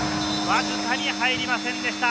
わずかに入りませんでした。